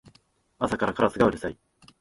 朝からカラスがうるさい